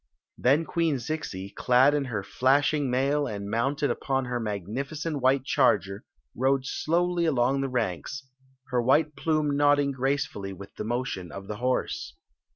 Then Queen Zixi, clad in her flashing mail and iw)iinted upon her magnificent white charger, rode ik>v iy along the ranks, her white f^ume nocWing paceli^y ikm aiotion of the horse.